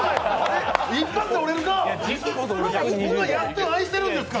一発で折れるか。